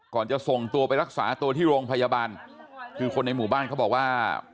จะส่งตัวไปรักษาตัวที่โรงพยาบาลคือคนในหมู่บ้านเขาบอกว่า